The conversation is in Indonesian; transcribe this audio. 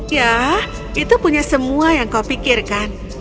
ya itu punya semua yang kau pikirkan